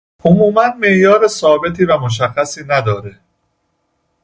عموما معیار ثابتی و مشخصی نداره